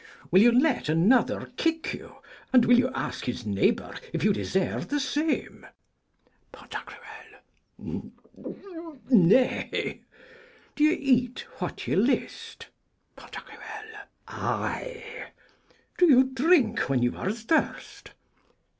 _? Will you let another kick you, and will you ask his neighbour if you deserve the same? Pan.: Nay? Do you cat what you list? Pan.: Ay! Do you drink when you are athirst?